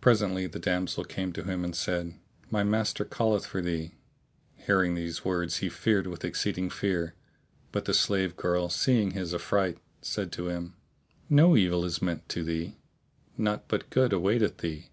Presently the damsel came to him and said, "My master calleth for thee." Hearing these words he feared with exceeding fear; but the slave girl, seeing his affright, said to him, "No evil is meant to thee: naught but good awaiteth thee.